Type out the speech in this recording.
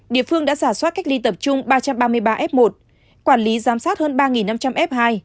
địa phương đã giả soát cách ly tập trung ba trăm ba mươi ba f một quản lý giám sát hơn ba năm trăm linh f hai